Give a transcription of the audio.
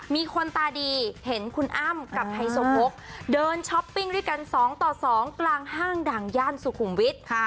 มีคนตาดีเห็นคุณอ้ำกับไฮโซโพกเดินช้อปปิ้งด้วยกัน๒ต่อ๒กลางห้างดังย่านสุขุมวิทย์